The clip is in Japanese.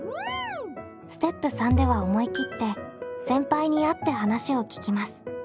ステップ３では思い切って先輩に会って話を聞きます。